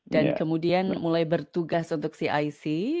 dan kemudian mulai bertugas untuk cic